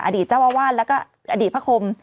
อดีตเจ้าอาวาสแล้วก็อดีตพระคม